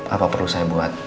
apa perlu saya buat